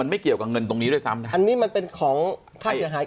ไม่เกี่ยวกับเงินตรงนี้ด้วยซ้ำนะอันนี้มันเป็นของค่าเสียหาย